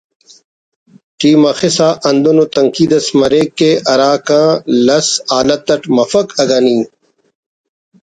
ٹی مخسا ہندن ءُ تنقید اس مریک کہ ہراکہ لس حالیت اٹ مفک اگہ نی